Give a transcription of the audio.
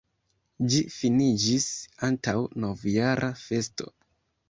Ĝi finiĝis antaŭ novjara festo.